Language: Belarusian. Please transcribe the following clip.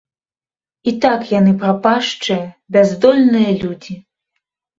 І так яны прапашчыя, бяздольныя людзі.